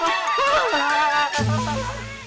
oh itu ada polisi